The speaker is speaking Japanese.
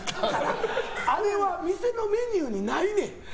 あれは店のメニューにないねん。